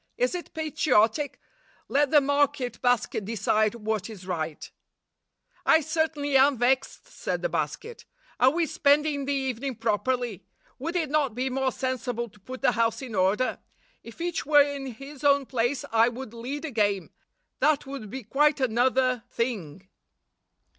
Is it patriotic? Let the market basket decide what is right.' 198 'I certainly am vexed,' said the basket. 'Are we spending the evening properly? Would it not be more sensible to put the house in order? If each were in his own place, I would lead a game. That would be quite another thing.